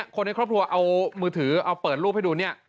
คนในครอบครัวเอามือถือเอาเปิดรูปให้ดูเนี่ย